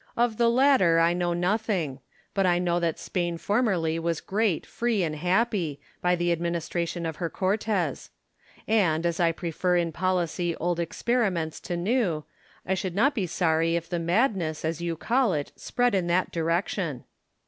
Of the latter I know nothing ; but I know that Spain formerly was great, free, and happy, by the adminis tration of her Cortes : and, as I prefer in policy old experiments to new, I should not be sorry if the madness, as you call it, spread in that direction.